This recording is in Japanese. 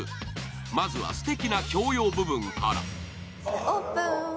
まずは、すてきな共用部分から。